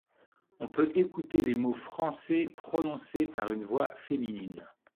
On peut écouter les mots français prononcés par une voix féminine.